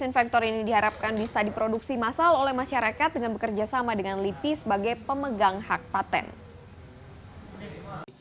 infektor ini diharapkan bisa diproduksi massal oleh masyarakat dengan bekerja sama dengan lipi sebagai pemegang hak patent